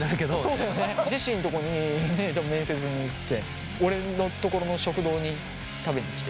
そうだよねジェシーのところに面接に行って俺のところの食堂に食べにきて。